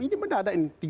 ini benar benar ada ini